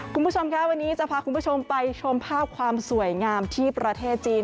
คุณผู้ชมค่ะวันนี้จะพาคุณผู้ชมไปชมภาพความสวยงามที่ประเทศจีน